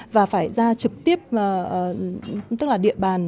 và phải ra trực tiếp tức là địa bàn nơi phái bộ đóng quân để thu thập thông tin